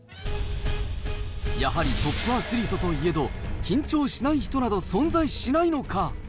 やはりトップアスリートといえど、緊張しない人など存在しないのか。